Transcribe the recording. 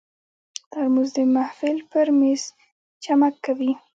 ترموز د محفل پر مېز چمک کوي.